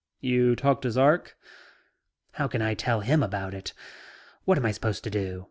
"You talk to Zark?" "How can I tell him about it? What am I supposed to do?